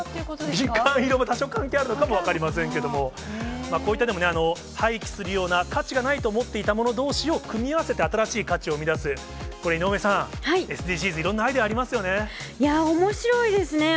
みかん色も多少関係あるのかも分かりませんけれども、こういった廃棄するような価値がないと思っていたものどうしを組み合わせて、新しい価値を生み出す、井上さん、ＳＤＧｓ、いろんおもしろいですね。